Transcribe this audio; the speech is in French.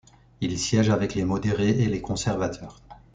Il siège avec les modérés et les conservateurs.